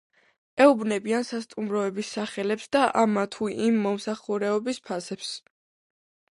ეუბნებიან სასტუმროების სახელებს და ამა თუ იმ მომსახურების ფასებს.